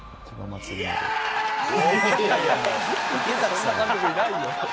そんな監督いないよ。